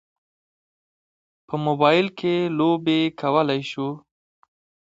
په موبایل کې لوبې کولی شو.